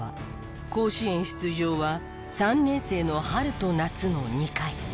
甲子園出場は３年生の春と夏の２回。